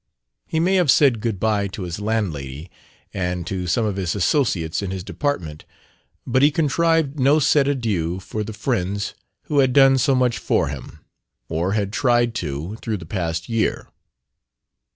He may have said good bye to his landlady and to some of his associates in his department; but he contrived no set adieux for the friends who had done so much for him or had tried to through the past year.